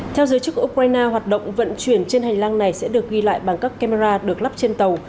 theo giới chức của ukraine hoạt động vận chuyển trên hành lang này sẽ được ghi lại bằng các camera được lắp trên tàu